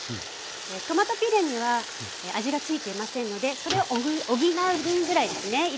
トマトピュレには味がついていませんのでそれを補う分ぐらいですね入れて下さい。